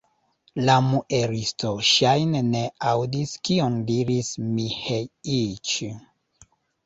La muelisto, ŝajne, ne aŭdis, kion diris Miĥeiĉ.